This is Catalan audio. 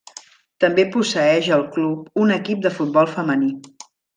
També posseïx el club un equip de futbol femení.